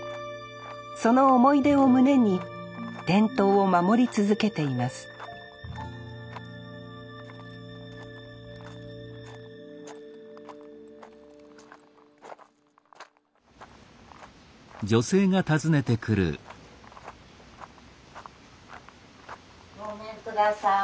その思い出を胸に伝統を守り続けていますごめんください。